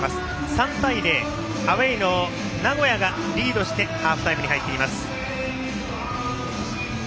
３対０とアウェーの名古屋がリードしてハーフタイムに入っています。